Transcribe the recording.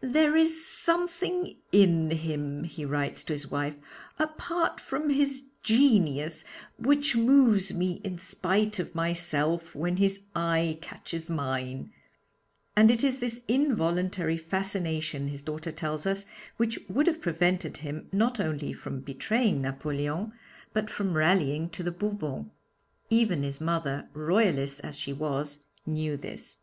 'There is something in him,' he writes to his wife, 'apart from his genius, which moves me in spite of myself when his eye catches mine,' and it is this involuntary fascination, his daughter tells us, which would have prevented him not only from betraying Napoleon, but from rallying to the Bourbons. Even his mother, Royalist as she was, knew this.